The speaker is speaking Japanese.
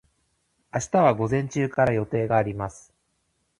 明日は午前中から予定があります。